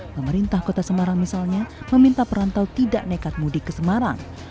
pemerintah kota semarang misalnya meminta perantau tidak nekat mudik ke semarang